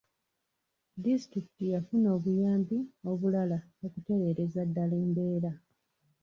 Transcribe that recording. Disitulikiti yafuna obuyambi obulala okutereereza ddala embeera.